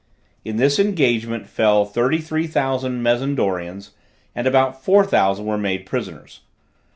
In this engagement fell thirty three thousand Mezendarians, and about four thousand were made prisoners.